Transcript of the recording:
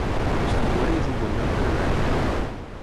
Sant Mori es un bon lloc per anar-hi